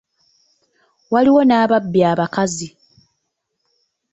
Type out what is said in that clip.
Waliwo n'ababbi abakazi.